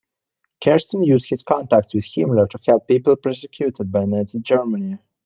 Kersten used his contacts with Himmler to help people persecuted by Nazi Germany.